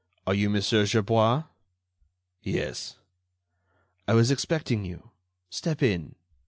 Are you Monsieur Gerbois?" "Yes." "I was expecting you. Step in."